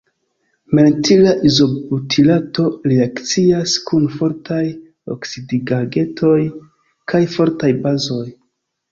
Mentila izobutirato reakcias kun fortaj oksidigagentoj kaj fortaj bazoj.